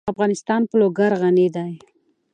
افغانستان په لوگر غني دی.